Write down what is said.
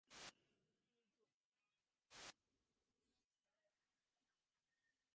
އެއީ އެއީ ލޯބީގެ ސިޓީ ކިޔަން ދިވެހިން ޝައުގުވެރި ނުވާތީއެއް ނޫން